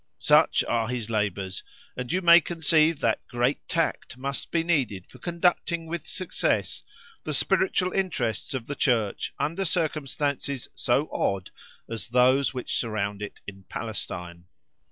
Such are his labours, and you may conceive that great tact must be needed for conducting with success the spiritual interests of the church under circumstances so odd as those which surround it in Palestine.